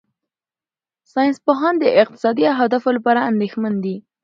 ساینسپوهان د اقتصادي اهدافو لپاره اندېښمن دي.